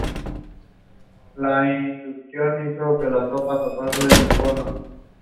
The main celebration rotates between the various villages annually.